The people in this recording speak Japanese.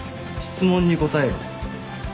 質問に答えろ。